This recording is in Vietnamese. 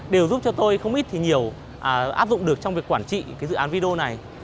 đều giúp cho tôi không ít thì nhiều áp dụng được trong việc quản trị cái dự án video này